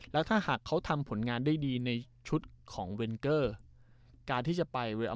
แล้วถ้าหากเขาทำผลงานได้ดีในชุดของเวนเกอร์การที่จะไป